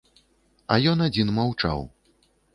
А ён адзін маўчаў.